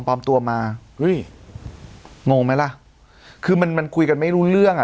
ปลอมตัวมาเฮ้ยงงไหมล่ะคือมันมันคุยกันไม่รู้เรื่องอ่ะ